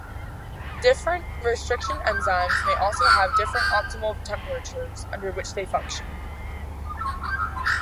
Different restriction enzymes may also have different optimal temperatures under which they function.